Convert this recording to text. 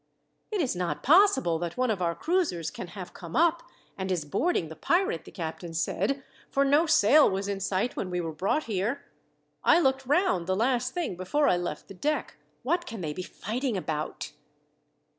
"It is not possible that one of our cruisers can have come up, and is boarding the pirate," the captain said, "for no sail was in sight when we were brought here. I looked round the last thing before I left the deck. What can they be fighting about?"